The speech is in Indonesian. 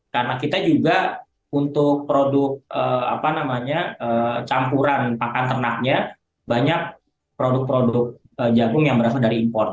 karena kita juga untuk produk campuran pakan ternaknya banyak produk produk jagung yang berasal dari impor